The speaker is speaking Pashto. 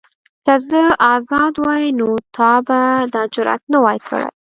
که زه ازاد وای نو تا به دا جرئت نه وای کړی.